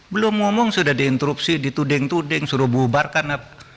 belum ngomong sudah diintrupsi dituding tuding suruh bubarkan